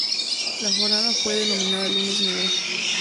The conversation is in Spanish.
La jornada fue denominada "Lunes Negro".